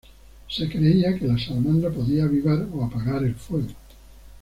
Se creía que la salamandra podía avivar o apagar el fuego.